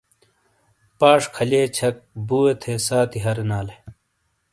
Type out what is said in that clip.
پاش کھلئے چھک بُوے تھے ساتھی ہرنالے ۔